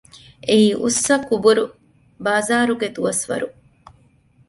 އެއީ އުއްސަކުރު ބާޒާރުގެ ދުވަސްވަރު